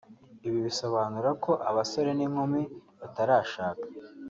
Ibi bisobanura ko abasore n’inkumi batarashaka